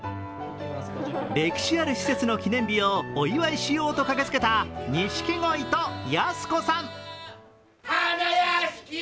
歴史ある施設の記念日をお祝いしようと駆けつけた、錦鯉とやす子さん。